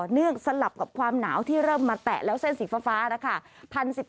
เนื่องสลับกับความหนาวที่เริ่มมาแตะแล้วเส้นสีฟ้านะคะ